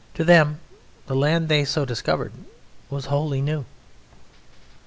To them the land they so discovered was wholly new.